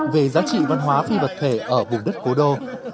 về giá trị văn hóa phi vật thể ở vùng đất cố đô